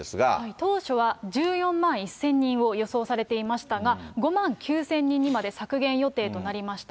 当初は１４万１０００人を予想されていましたが、５万９０００人にまで削減予定となりました。